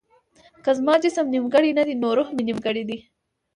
که زما جسم نيمګړی نه دی نو روح مې نيمګړی دی.